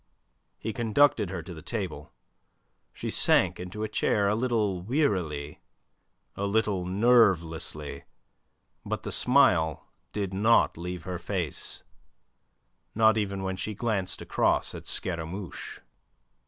He conducted her to the table. She sank into a chair, a little wearily, a little nervelessly, but the smile did not leave her face, not even when she glanced across at Scaramouche.